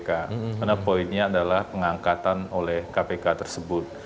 karena poinnya adalah pengangkatan oleh kpk tersebut